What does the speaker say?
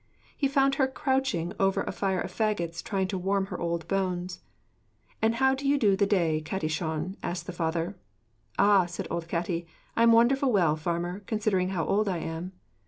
He found her crouching over a fire of faggots, trying to warm her old bones. 'And how do you do the day, Catti Shon?' asked the farmer. 'Ah,' said old Catti, 'I'm wonderful well, farmer, considering how old I am.'